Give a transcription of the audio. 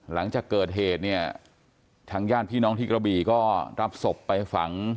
หลังจากเกิดเหตุเนี่ยทางญาติพี่น้องที่กระบี่ก็รับศพไปฝัง